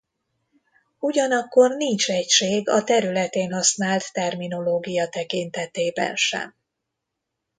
Ugyanakkor nincs egység a területén használt terminológia tekintetében sem.